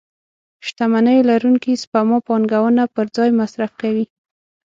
شتمنيو لرونکي سپما پانګونه پر ځای مصرف کوي.